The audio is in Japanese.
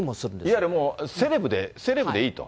いわゆるもうセレブで、セレブでいいと。